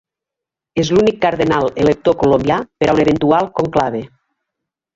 És l'únic cardenal elector colombià per a un eventual conclave.